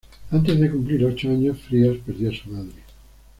Antes de cumplir ocho años, Frías perdió a su madre.